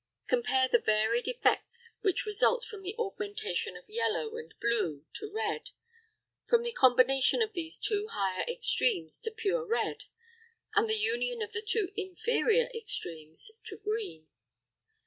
Compare the varied effects which result from the augmentation of yellow and blue to red, from the combination of these two higher extremes to pure red, and the union of the two inferior extremes to green.